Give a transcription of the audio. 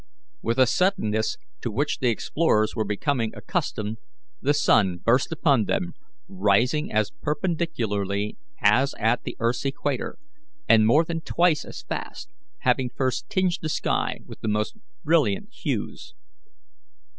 With a suddenness to which the explorers were becoming accustomed, the sun burst upon them, rising as perpendicularly as at the earth's equator, and more than twice as fast, having first tinged the sky with the most brilliant hues.